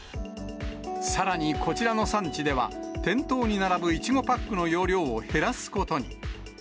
さらにこちらの産地では、店頭に並ぶいちごパックの容量を減らすことに。